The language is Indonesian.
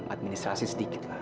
administrasi sedikit lah